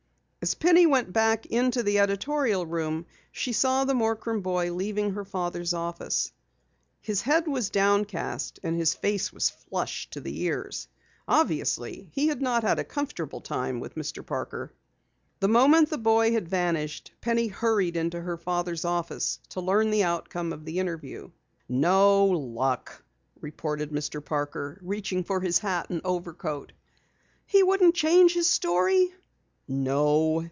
As Penny went back into the editorial room she saw the Morcrum boy leaving her father's office. His head was downcast and his face was flushed to the ears. Obviously, he had not had a comfortable time with Mr. Parker. The moment the boy had vanished, Penny hurried into her father's office to learn the outcome of the interview. "No luck," reported Mr. Parker, reaching for his hat and overcoat. "He wouldn't change his story?" "No.